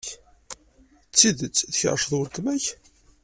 D tidet tkerrceḍ weltma-k?